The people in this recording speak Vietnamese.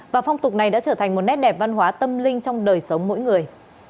và phong tục này đã trở thành một nét đẹp văn hóa tâm linh trong đời sống mỗi người